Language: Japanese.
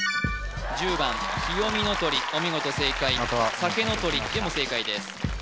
１０番ひよみのとりお見事正解さけのとりでも正解です